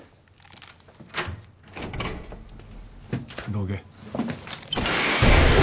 どけ。